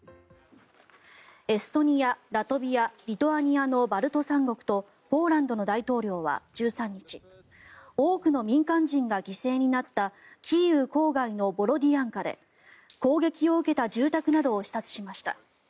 エストニア、ラトビアリトアニアのバルト三国とポーランドの大統領は１３日多くの民間人が犠牲になったキーウ郊外のボロディアンカで攻撃を受けた住宅などを視察しました。